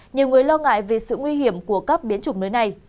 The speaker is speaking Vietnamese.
nhiều người lo ngại về sự nguy hiểm của các biến chủng mới này